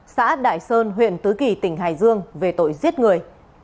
xã đại sơn huyện tứ kỳ tỉnh hải dương về tội giết người